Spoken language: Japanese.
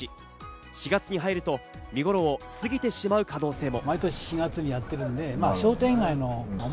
４月に入ると見頃を過ぎてしまう可能性も。